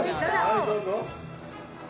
はいどうぞ。